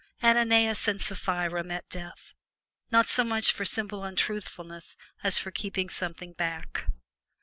Ananias and Sapphira met death, not so much for simple untruthfulness as for keeping something back.